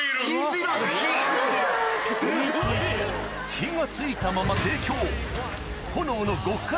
火が付いたまま提供